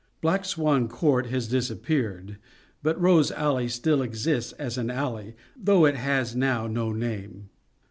Black Swan Court has disappeared, but Rose Alley still exists as an alley, though it has now no name.